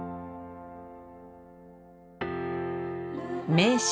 名所